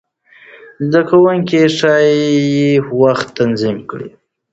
زده کوونکي ښايي وخت تنظیم کړي.